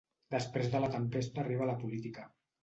Després de la tempesta arriba la política.